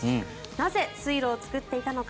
なぜ水路を作っていたのか。